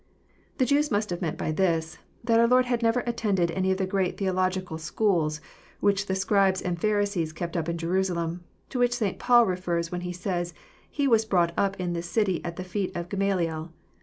] The Jews must have meant by this, that our Lord had never attended any of the great theological schools which the Scribes and Pharisees kept up in Jerusalem, — to which St. Paul refers, when he says, he was " brought up in this city at the feet of Gamaliel."